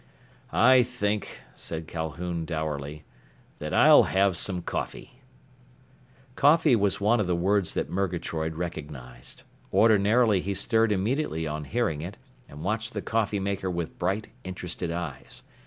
"I think," said Calhoun dourly, "that I'll have some coffee." Coffee was one of the words that Murgatroyd recognized. Ordinarily he stirred immediately on hearing it, and watched the coffeemaker with bright, interested eyes.